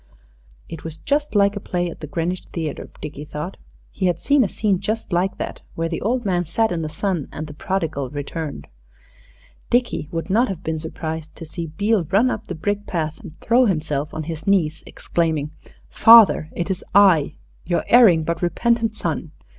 It was just like a play at the Greenwich Theatre, Dickie thought. He had seen a scene just like that, where the old man sat in the sun and the Prodigal returned. Dickie would not have been surprised to see Beale run up the brick path and throw himself on his knees, exclaiming, "Father, it is I your erring but repentant son!